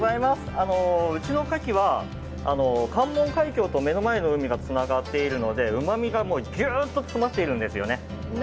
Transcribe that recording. うちの牡蠣は関門海峡と目の前の海がつながっているのでうまみがギュッと詰まっているんですよね。